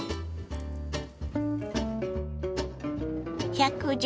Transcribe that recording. １１０